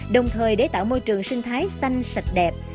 đồng thời để tạo môi trường sinh thái xanh sạch đẹp